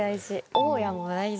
大家も大事。